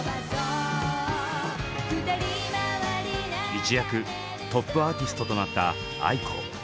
一躍トップアーティストとなったａｉｋｏ。